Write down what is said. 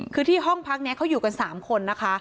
คือที่ห้องพักนี้เขาอยู่กัน๓คนนะคะ